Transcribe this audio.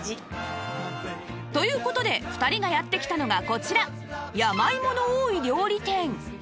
という事で２人がやって来たのがこちら山芋の多い料理店